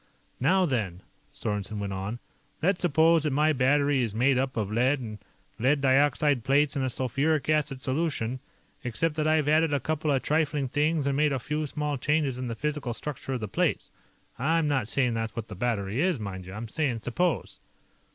"Now then," Sorensen went on, "let's suppose that my battery is made up of lead and lead dioxide plates in a sulfuric acid solution, except that I've added a couple of trifling things and made a few small changes in the physical structure of the plates. I'm not saying that's what the battery is, mind you; I'm saying 'suppose'."